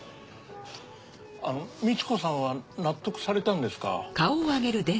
あのみち子さんは納得されたんですか？